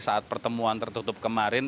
saat pertemuan tertutup kemarin